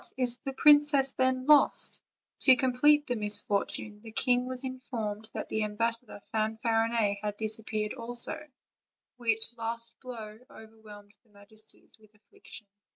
is the princess, then, lost?" To complete the misfortune, the king was informed that the ambassador Fanfarinet had disappeared also, which last blow over whelmed their majesties with affliction.